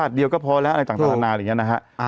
อันนี้คุณแม่เห็นแล้วคุณแม่โกรธมาก